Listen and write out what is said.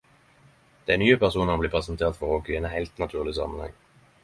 Dei nye personane blir presenterte for oss i ein heilt naturleg samanheng.